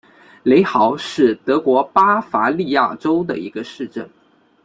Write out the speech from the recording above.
雷豪是德国巴伐利亚州的一个市镇。